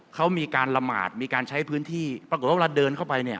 เขามีการละหมาดมีการใช้พื้นที่ปรากฏว่าเวลาเดินเข้าไปเนี่ย